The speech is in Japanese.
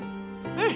うん。